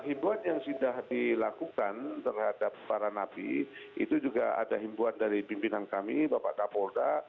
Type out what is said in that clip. himbuan yang sudah dilakukan terhadap para napi itu juga ada himbuan dari pimpinan kami bapak kapolda